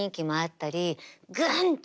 グンと